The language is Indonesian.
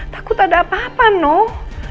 takut ada apa apa no